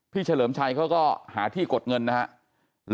เฉลิมชัยเขาก็หาที่กดเงินนะครับ